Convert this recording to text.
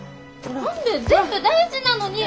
何で全部大事なのに！